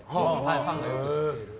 ファンがよく知ってる。